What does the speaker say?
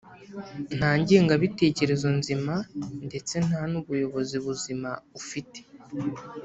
nta ngengabitekerezo nzima ndetse nta n’ubuyobozi buzima ufite